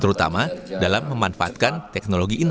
terutama dalam memanfaatkan pengadilan tinggi medan